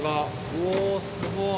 おぉすごい。